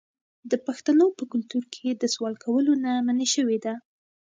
د پښتنو په کلتور کې د سوال کولو نه منع شوې ده.